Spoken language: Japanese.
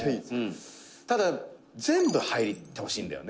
「ただ、全部入ってほしいんだよね」